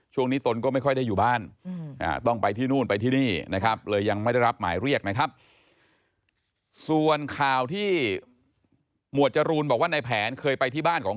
ช่วงนี้ตนก็ไม่ค่อยได้อยู่บ้าน